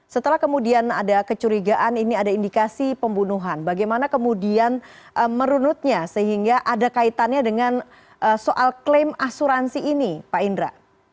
setelah kemudian ada kecurigaan ini ada indikasi pembunuhan bagaimana kemudian merunutnya sehingga ada kaitannya dengan soal klaim asuransi ini pak indra